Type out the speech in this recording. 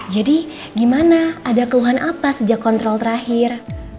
jadi gimana ada keluhan apa sejak kontrol terakhir